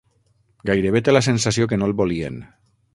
Gairebé te la sensació que no el volien.